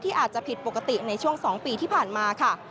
อาจจะผิดปกติในช่วง๒ปีที่ผ่านมาค่ะ